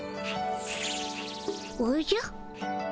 おじゃ。